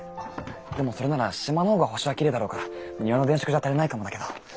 でもそれなら島のほうが星はきれいだろうから庭の電飾じゃ足りないかもだけど。